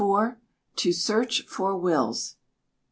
1584. To Search for Wills.